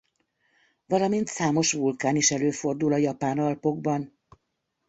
Valamint számos vulkán is előfordul a Japán Alpokban.